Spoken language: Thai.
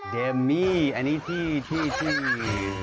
เดมมี่อันนี้ที่ที่ที่ที่